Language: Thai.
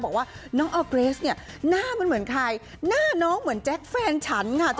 บอกว่าน้องออร์เกรสเนี่ยหน้ามันเหมือนใครหน้าน้องเหมือนแจ๊คแฟนฉันค่ะ